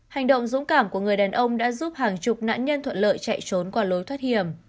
hành động dũng cảm của người đàn ông đã giúp hàng chục nạn nhân thuận lợi chạy trốn qua lối thoát hiểm